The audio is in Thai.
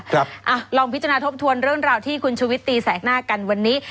ลองพิจารณาทบทวนเรื่องราวที่คุณชุวิตตีแสกหน้ากันวันนี้